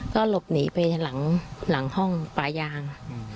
ก็หลบหนีไปหลังห้องป่ายาง